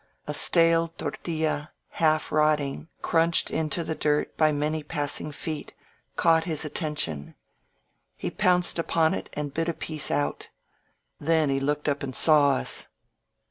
A stale tortiUa^ half rotting, crunched into the dirt by many pa^ssing feet, caught his atten tion. He pounced upon it and bit a piece out. Then he looked up and saw us.